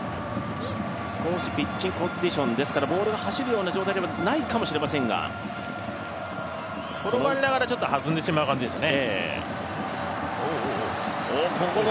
少しピッチコンディションですからボールが走るような状況ではないかもしれませんがちょっと弾んでしまう感じですかね。